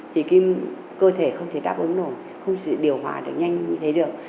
thì cái cơ thể không thể đáp ứng nổi không thể điều hòa được nhanh như thế được